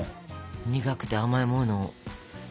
苦くて甘いもの。